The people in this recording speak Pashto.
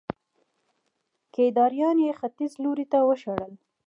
کيداريان يې ختيځ لوري ته وشړل